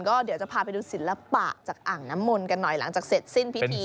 ก็เดี๋ยวจะพาไปดูศิลปะจากอ่างน้ำมนต์กันหน่อยหลังจากเสร็จสิ้นพิธี